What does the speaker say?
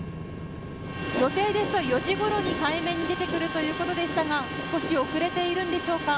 予定ですと４時ごろに海面に出てくるということでしたが少し遅れているんでしょうか